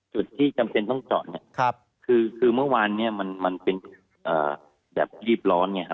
จุดที่จำเป็นต้องเจาะคือเมื่อวานมันเป็นแบบรีบร้อน